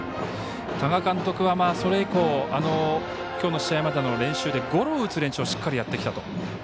多賀監督は、それ以降きょうの試合までの練習でゴロを打つ練習をしっかりやってきたと。